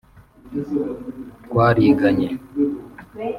twariganye …